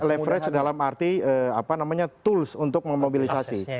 leverage dalam arti apa namanya tools untuk memobilisasi